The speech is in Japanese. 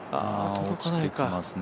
落ちてきますね。